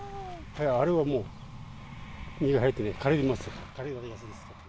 あれはもう実が入ってない、枯れてます。